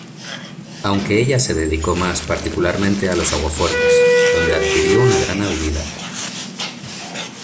Aunque ella se dedicó más particularmente a los aguafuertes, donde adquirió una gran habilidad.